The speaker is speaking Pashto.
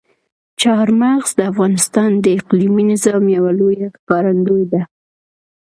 چار مغز د افغانستان د اقلیمي نظام یوه لویه ښکارندوی ده.